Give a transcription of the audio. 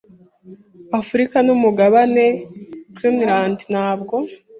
Afurika ni umugabane; Greenland ntabwo.